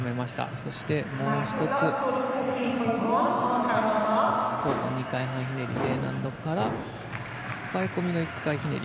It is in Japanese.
そして、もう１つ後方２回半ひねりＤ難度からかかえ込みの１回半ひねり。